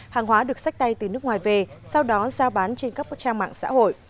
hàng hóa được sách tay từ nước ngoài về sau đó giao bán trên các trang mạng xã hội